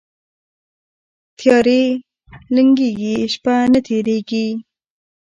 تیارې لنګیږي، شپه نه تیریږي